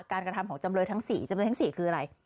การกระทำของจำนวนทั้งสี่จำนวนทั้งสี่คืออะไร